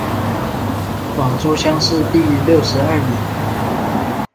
广东乡试第六十二名。